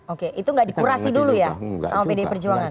oke itu nggak dikurasi dulu ya sama pdi perjuangan